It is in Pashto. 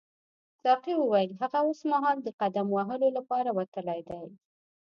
ساقي وویل هغه اوسمهال د قدم وهلو لپاره وتلی دی.